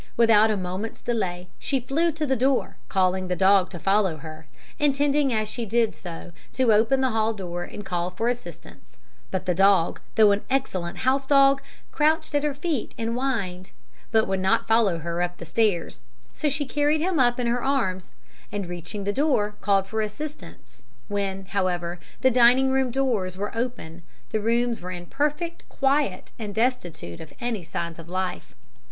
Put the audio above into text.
Without a moment's delay she flew to the door, calling the dog to follow her, intending as she did so to open the hall door and call for assistance, but the dog, though an excellent house dog, crouched at her feet and whined, but would not follow her up the stairs, so she carried him up in her arms, and reaching the door, called for assistance; when, however, the dining room doors were opened, the rooms were in perfect quiet and destitute of any signs of life."